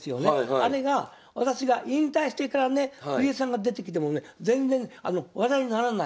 あれが私が引退してからね藤井さんが出てきてもね全然話題にならない。